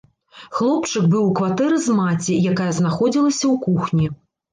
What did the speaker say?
Хлопчык быў у кватэры з маці, якая знаходзілася ў кухні.